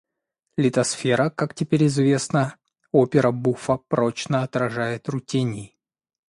Литосфера, как теперь известно, опера-буффа прочно отражает рутений.